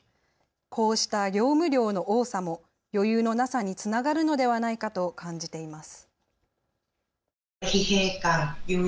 こうした業務量の多さも余裕のなさにつながるのではないかと感じています。